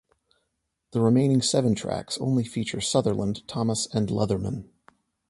The remaining seven tracks only feature Sutherland, Thomas, and Leatherman.